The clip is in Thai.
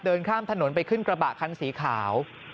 เดินข้ามถนนไปขึ้นกระบะคันสีขาว